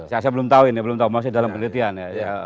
saya belum tahu ini masih dalam penelitian